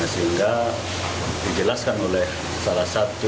sehingga dijelaskan oleh salah satu